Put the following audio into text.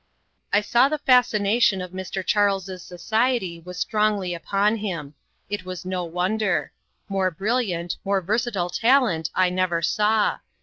I saw the fascination of Mr. Charles's society was strongly upon him. It was no wonder. More brilliant, more versatile talent I never saw.